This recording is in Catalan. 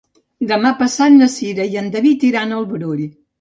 Demà passat na Cira i en David iran al Brull.